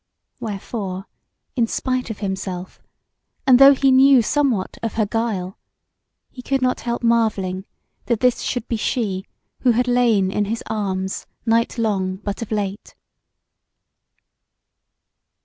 Wherefore, in spite of himself, and though he knew somewhat of her guile, he could not help marvelling that this should be she who had lain in his arms night long but of late.